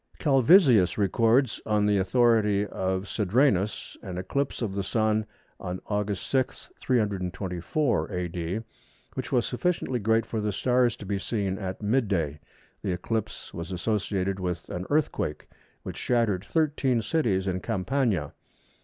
Calvisius records, on the authority of Cedrenus, an eclipse of the Sun on August 6, 324 A.D., which was sufficiently great for the stars to be seen at mid day. The eclipse was associated with an earthquake, which shattered thirteen cities in Campania.